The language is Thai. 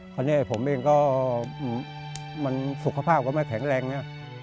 ตอนนี้ผมเองก็มันสุขภาพก็ไม่แข็งแรงนะ